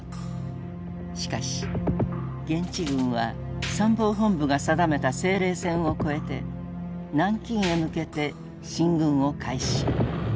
しかし現地軍は参謀本部が定めた制令線を越えて南京へ向けて進軍を開始。